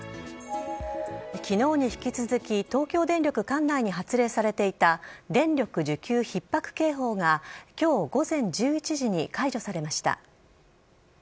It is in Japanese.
きのうに引き続き、東京電力管内に発令されていた電力需給ひっ迫警報が、きょう午前１１時に解除されました。